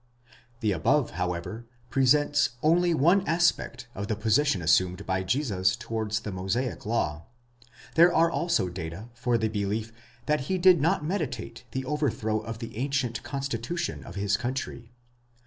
'The above, however, presents only one aspect of the position assumed by Jesus towards the Mosaic law ; there are also data for the belief that he did not meditate the overthrow of the ancient constitution of his country.